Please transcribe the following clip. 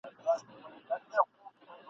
آه د لمر کجاوه څه سوه؟ !.